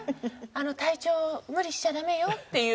体調無理しちゃダメよっていう。